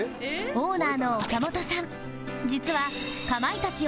オーナーの岡本さん